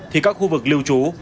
thì các khu vực lưu trú